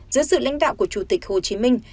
dưới sự lãnh đạo của chủ tịch hồ chí minh